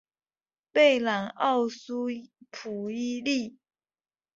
贝朗奥苏普伊利。